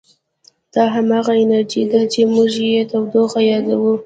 دا همغه انرژي ده چې موږ یې تودوخه یادوو.